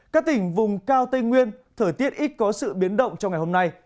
các tỉnh vùng cao tây nguyên thời tiết ít có sự biến động trong ngày hôm nay